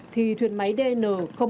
thì thuyền máy dn hai trăm tám mươi tám